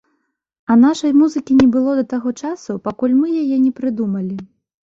А нашай музыкі не было да таго часу, пакуль мы яе не прыдумалі.